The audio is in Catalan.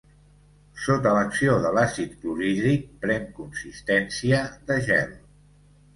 Sota l'acció de l'àcid clorhídric pren consistència de gel.